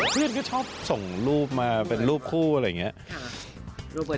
เพื่อนก็ชอบส่งรูปมาเป็นรูปคู่อะไรอย่างนี้